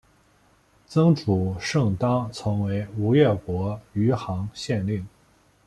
曾祖盛珰曾为吴越国余杭县令。